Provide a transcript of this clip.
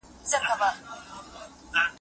زموږ مینه، زه او ته په کابلجان کې